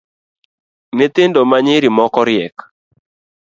Nyithindo manyiri moko riek